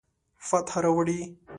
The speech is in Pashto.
فتح راوړي